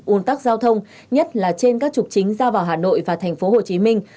un tắc giao thông nhất là trên các trục chính ra vào hà nội và thành phố hồ chí minh